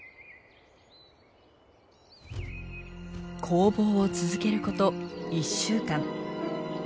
攻防を続けること１週間。